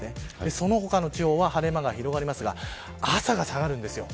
その他の地方は晴れ間が広がりますが朝が下がるんです。